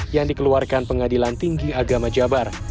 yang dikeluarkan pengadilan tinggi agama jabar